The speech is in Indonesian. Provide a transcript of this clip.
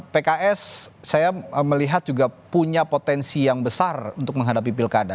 pks saya melihat juga punya potensi yang besar untuk menghadapi pilkada